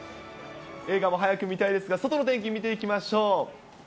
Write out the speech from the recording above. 映画も早く見たいですが、外の天気見ていきましょう。